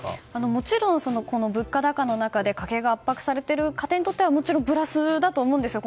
もちろんこの物価高の中で家計が圧迫されている家庭にはプラスだと思うんですね